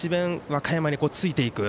和歌山についていく。